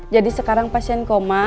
jadi sekarang pasien koma